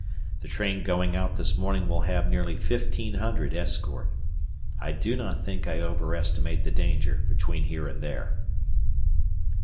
The train going out this morning will have nearly 1500 escort. I do not think I overestimate the danger between here and there.